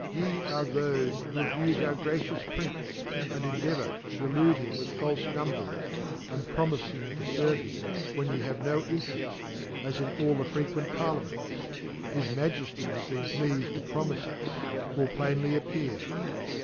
Ye' are thofe who alufe our gracious Prince, and endeavour to delude htm with ifalfe, Numbers, and profi ling tofirve him when ye have no' fnterejl. , as in all the fre fluent Parliaments £bis Majefty tias been pleafed to promife us) wi/J plainly appear.